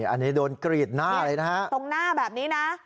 อันนี้โดนกรีดหน้าเลยนะฮะตรงหน้าแบบนี้นะ